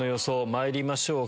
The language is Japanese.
まいりましょうか。